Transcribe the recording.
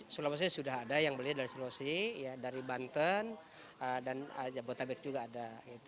sulawesi sudah ada yang beli dari sulawesi dari banten dan jabodetabek juga ada